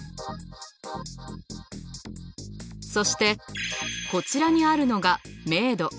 そしてこちらにあるのが明度。